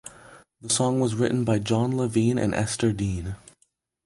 The song was written by Jon Levine and Ester Dean.